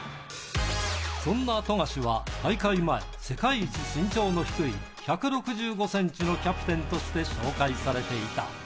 そんな富樫は、大会前、世界一身長の低い１６５センチのキャプテンとして紹介されていた。